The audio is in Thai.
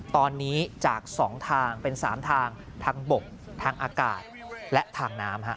ตอนนี้จาก๒ทางเป็น๓ทางทางบกทางอากาศและทางน้ำ